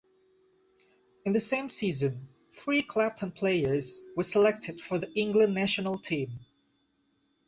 In the same season, three Clapton players were selected for the England national team.